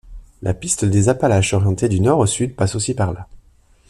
La piste des Appalaches orientée du nord au sud passe aussi par là.